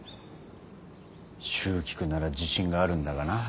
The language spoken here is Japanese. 蹴鞠なら自信があるんだがなあ。